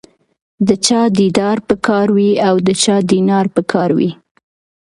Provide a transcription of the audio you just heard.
د چا دیدار په کار وي او د چا دینار په کار وي.